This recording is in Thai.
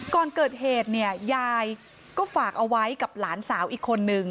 ก่อนเกิดเหตุเนี่ยยายก็ฝากเอาไว้กับหลานสาวอีกคนนึง